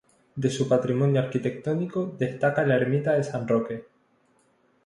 De su patrimonio arquitectónico destaca la ermita de San Roque.